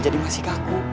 jadi masih kaku